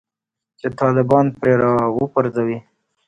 چې طالبان پرې راوپرځوي